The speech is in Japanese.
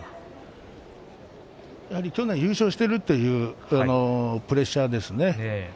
やはり去年優勝しているというプレッシャーですね。